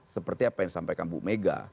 seperti apa yang disampaikan bu mega